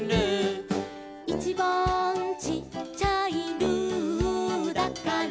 「いちばんちっちゃい」「ルーだから」